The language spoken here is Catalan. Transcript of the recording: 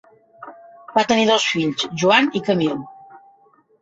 Van tenir dos fills, Joan i Camil.